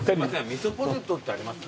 みそポテトってあります？